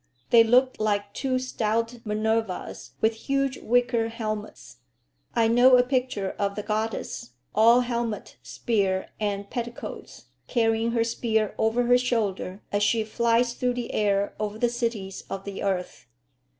They looked like two stout Minervas with huge wicker helmets. I know a picture of the goddess, all helmet, spear, and petticoats, carrying her spear over her shoulder as she flies through the air over the cities of the earth.